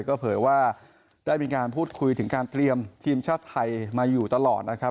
ก็เผยว่าได้มีการพูดคุยถึงการเตรียมทีมชาติไทยมาอยู่ตลอดนะครับ